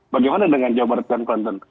bagaimana dengan jawa barat dan banten